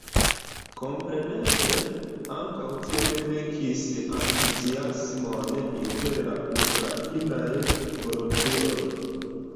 Kompreneble ankaŭ tio ne vekis entuziasmon inter la ukrainaj volontuloj.